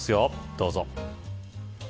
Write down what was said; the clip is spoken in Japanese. どうぞ。